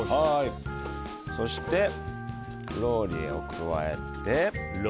そして、ローリエを加えて。